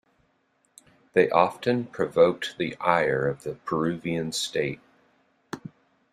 They often provoked the ire of the Peruvian state.